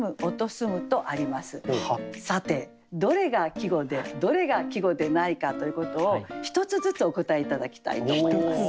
さてどれが季語でどれが季語でないかということを１つずつお答え頂きたいと思います。